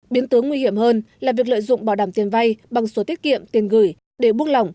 biến tướng nguy hiểm hơn là việc lợi dụng bảo đảm tiền vay bằng sổ tiết kiệm tiền gửi để buông lỏng